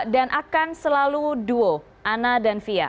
dan akan selalu duo anna dan fia